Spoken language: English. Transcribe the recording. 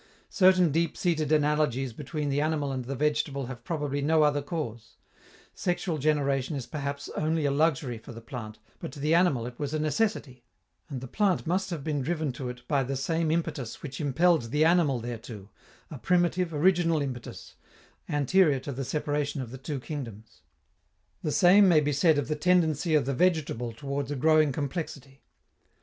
Certain deep seated analogies between the animal and the vegetable have probably no other cause: sexual generation is perhaps only a luxury for the plant, but to the animal it was a necessity, and the plant must have been driven to it by the same impetus which impelled the animal thereto, a primitive, original impetus, anterior to the separation of the two kingdoms. The same may be said of the tendency of the vegetable towards a growing complexity.